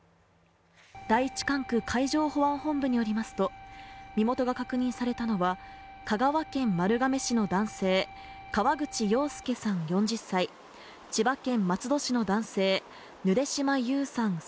第一管区海上保安本部によりますと身元が確認されたのは香川県丸亀市の男性、河口洋介さん４０歳、千葉県松戸市の男性、ぬで島優さん